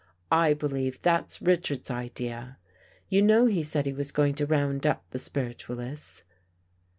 I believe that's Richards's idea. You know he said he was going to round up the spiritual ists."